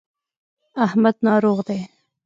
احمد ناروغ دی.